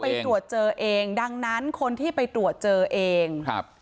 ไปตรวจเจอเองดังนั้นคนที่ไปตรวจเจอเองครับ